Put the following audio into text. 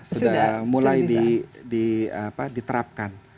sudah mulai diterapkan